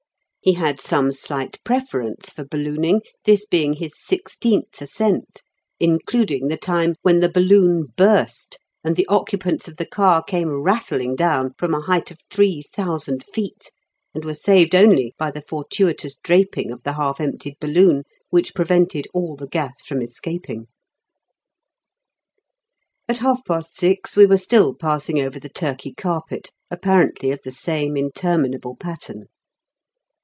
He had some slight preference for ballooning, this being his sixteenth ascent, including the time when the balloon burst, and the occupants of the car came rattling down from a height of three thousand feet, and were saved only by the fortuitous draping of the half emptied balloon, which prevented all the gas from escaping. At half past six we were still passing over the Turkey carpet, apparently of the same interminable pattern.